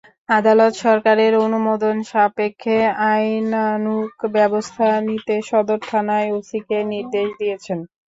আদালত সরকারের অনুমোদন সাপেক্ষে আইনানুগ ব্যবস্থা নিতে সদর থানার ওসিকে নির্দেশ দিয়েছেন।